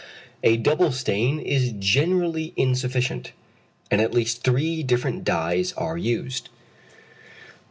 A double stain is generally insufficient, and at least three different dyes are used.